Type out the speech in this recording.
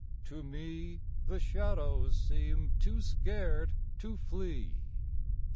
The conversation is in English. To me The shadows seem too scared to flee. 3.